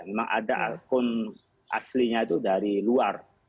memang ada akun aslinya itu dari luar